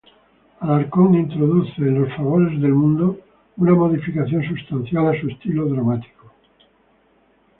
Alarcón introduce en "Los favores del mundo" una modificación sustancial a su estilo dramático.